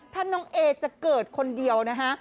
ถ้าน้องเอจะเกิดคนเดียวนะฮะ